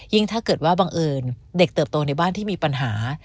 ถ้าเกิดว่าบังเอิญเด็กเติบโตในบ้านที่มีปัญหา